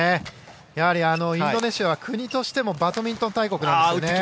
インドネシアは国としてもバドミントン大国なんです。